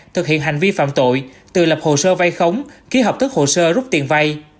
thực hiện hành vi phạm tội từ lập hồ sơ vay khống ký hợp thức hồ sơ rút tiền vai